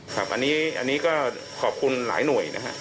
ครับอันนี้ก็ขอบคุณหลายหน่วยนะฮะ